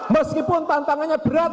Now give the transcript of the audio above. meskipun tantangannya berat